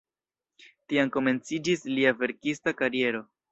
Tiam komenciĝis lia verkista kariero.